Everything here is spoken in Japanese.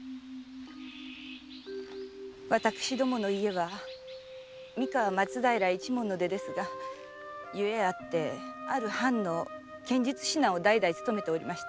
私どもの家は三河松平一門の出ですがゆえあってある藩の剣術指南を代々勤めておりました。